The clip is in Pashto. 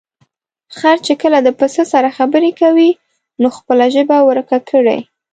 خر چې کله د پسه سره خبرې کوي، نو خپله ژبه ورکه کړي.